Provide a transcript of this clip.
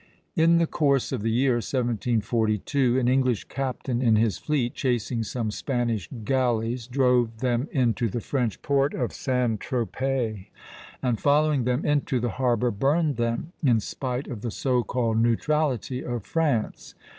In the course of the year 1742 an English captain in his fleet, chasing some Spanish galleys, drove them into the French port of St. Tropez, and following them into the harbor burned them, in spite of the so called neutrality of France.